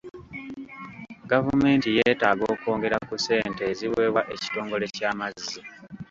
Gavumenti yeetaaga okwongera ku ssente eziweebwa ekitongole ky'amazzi.